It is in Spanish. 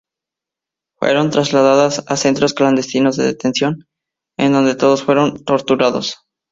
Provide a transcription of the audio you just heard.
Fueron trasladadas a centros clandestinos de detención, en donde todos fueron torturados.